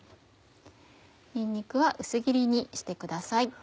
にんにくは薄切りにしてください。